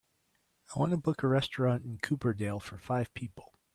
I want to book a restaurant in Cooperdale for five people.